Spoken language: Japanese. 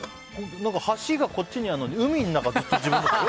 橋がこっちにあるのに海の中ずっと。